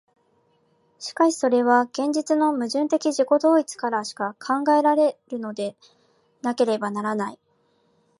しかしそれは現実の矛盾的自己同一からしか考えられるのでなければならない。